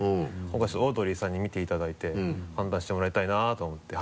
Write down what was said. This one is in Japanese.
今回ちょっとオードリーさんに見ていただいて判断してもらいたいなと思って。